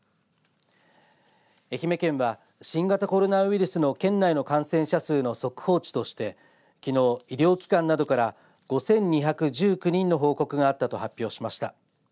愛媛県は新型コロナウイルスの県内の感染者数の速報値としてきのう医療機関などから５２１９人の報告があったと発表しました。